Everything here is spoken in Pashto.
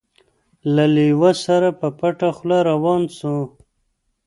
له لېوه سره په پټه خوله روان سو